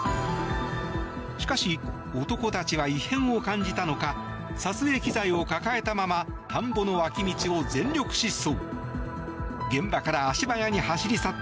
しかし、男たちは異変を感じたのか撮影機材を抱えたまま田んぼの脇道を全力疾走。